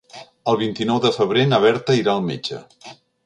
El vint-i-nou de febrer na Berta irà al metge.